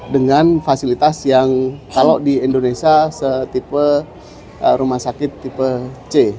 dengan fasilitas yang kalau di indonesia setipe rumah sakit tipe c